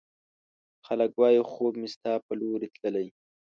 خلګ وايي، خوب مې ستا په لورې تللی